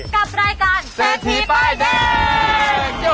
กับรายการุ้มปล้ายแดง